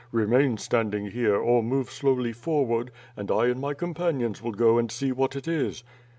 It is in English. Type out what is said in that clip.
Remain standing here, or move slowly forward, and I and my companions will go and see what it is."